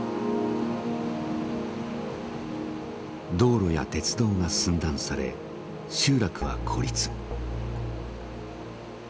道路や鉄道が寸断され集落は孤立。